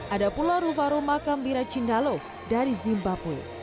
ada pula ruvaru makambira cindalo dari zimbabwe